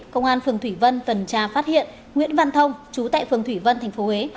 công an phường thủy vân tuần tra phát hiện nguyễn văn thông chú tại phường thủy vân tp huế